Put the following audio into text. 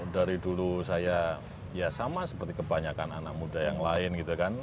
dari dulu saya ya sama seperti kebanyakan anak muda yang lain gitu kan